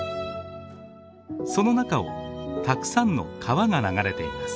その中をたくさんの川が流れています。